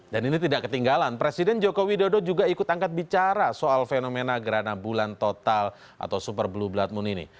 dan ini tidak ketinggalan presiden jokowi dodo juga ikut angkat bicara soal fenomena gerana bulan total atau super blue blood moon ini